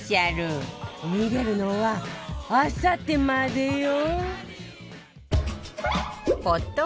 見れるのはあさってまでよ